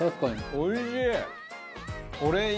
おいしい！